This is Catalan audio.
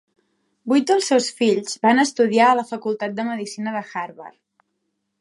Vuit dels seus fills van estudiar a la facultat de medicina de Harvard.